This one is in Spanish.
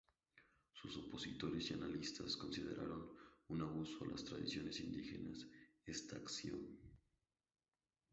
Sus opositores y analistas consideraron un abuso a las tradiciones indígenas esta acción.